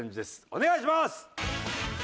お願いします！